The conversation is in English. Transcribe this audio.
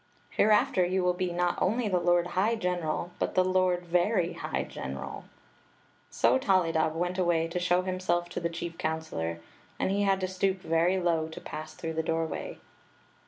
Hereafter you will be not only the lord high general, but die lord very high general. So Tollydob went away to show himsdf to the Story of the Magic Cloak 121 chief counselor; and he had to stoop very low to pass through the doorway.